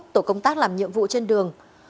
tổ công tác làm nhiệm vụ trên đường